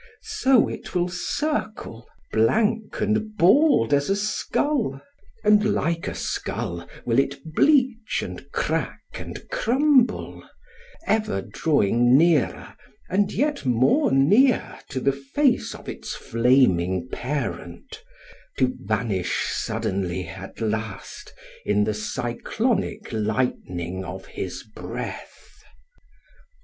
So will it circle, blank and bald as a skull ; and like a skull will it bleach and crack and crumble, ever drawing nearer and yet more near to the face of its flaming parent, to vanish suddenly at last in the cyclonic lightning of his breath.